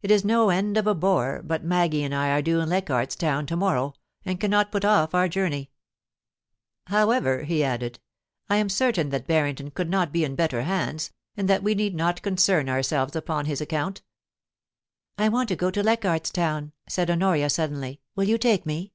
It is no end of a bore, but Maggie and I are due in Leichardt's Town to morrow, and cannot put off our journey. However,' he 2o6 POLICY AND PASSION. added, * I am certain that Barrington could not be in better hands, and that we need not concern ourselves upon his account' * I want to go to Leichardt's Town,' said Honoria, sud denly. * Will you take me